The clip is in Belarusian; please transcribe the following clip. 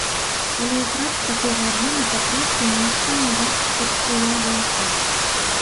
Але ў працы такога аб'ёму папросту немагчыма ўзяць пад увагу ўсё.